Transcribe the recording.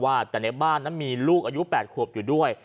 รวาสแต่ในบ้านมีลูกอายุ๘คนอยู่ด้วย